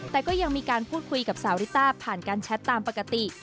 แต่ก็ยังมีการพูดคุยกับสาวริต้าผ่านการแชทตามปกติ